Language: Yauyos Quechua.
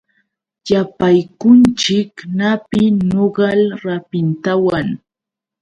Yapaykunchik napi nogal rapintawan.